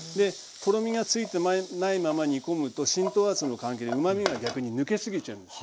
とろみがついてないまま煮込むと浸透圧の関係でうまみが逆に抜けすぎちゃうんです。